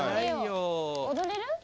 踊れる？